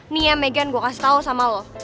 nih ya megan gue kasih tau sama lo